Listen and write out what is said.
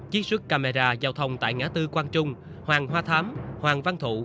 chiếc sức camera giao thông tại ngã tư quang trung hoàng hoa thám hoàng văn thụ